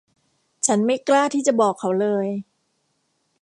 ฉันไม่กล้าที่จะบอกเขาเลย